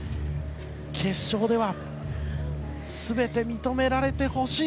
決勝では全て認められてほしい。